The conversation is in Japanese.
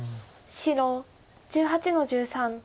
白１８の十三。